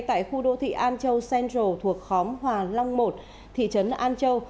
tại khu đô thị an châu central thuộc khóm hòa long một thị trấn an châu